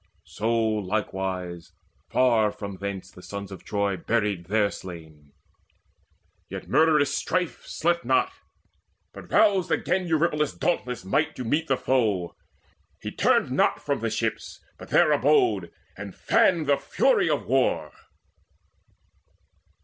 So likewise far from thence the sons of Troy Buried their slain. Yet murderous Strife slept not, But roused again Eurypylus' dauntless might To meet the foe. He turned not from the ships, But there abode, and fanned the fury of war.